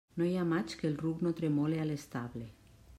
No hi ha maig que el ruc no tremole a l'estable.